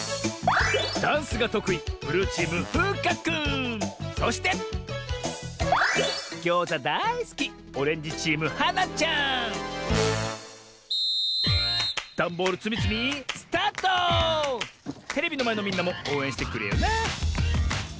ダンスがとくいそしてギョーザだいすきダンボールつみつみテレビのまえのみんなもおうえんしてくれよな！